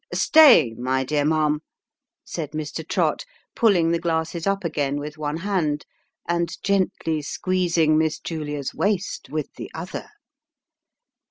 " Stay, my dear ma'am !" said Mr. Trott, pulling the glasses up again with one hand, and gently squeezing Miss Julia's waist with the other.